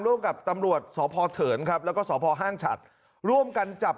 ร่วมกับตำรวจสพเถินครับแล้วก็สพห้างฉัดร่วมกันจับ